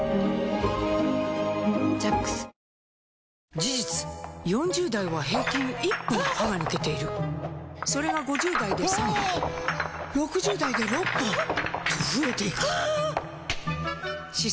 事実４０代は平均１本歯が抜けているそれが５０代で３本６０代で６本と増えていく歯槽